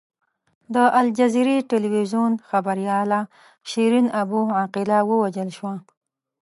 د الجزیرې ټلویزیون خبریاله شیرین ابو عقیله ووژل شوه.